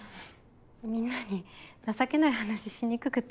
みんなに情けない話しにくくて。